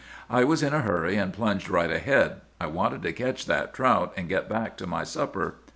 I was in a hurry, and plunged right ahead. I wanted to catch that trout and get back to my supper.